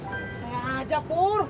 saya aja pur